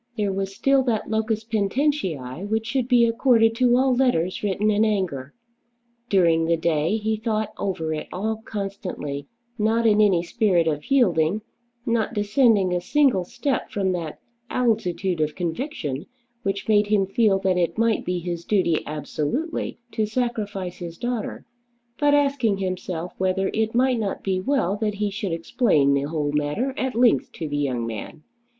There was still that "locus poenitentiæ" which should be accorded to all letters written in anger. During the day he thought over it all constantly, not in any spirit of yielding, not descending a single step from that altitude of conviction which made him feel that it might be his duty absolutely to sacrifice his daughter, but asking himself whether it might not be well that he should explain the whole matter at length to the young man.